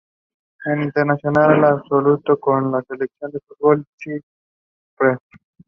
Dwight overhears radio call signals and questions the keywords they are talking about.